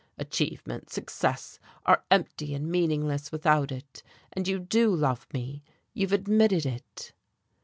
Achievement, success, are empty and meaningless without it. And you do love me you've admitted it."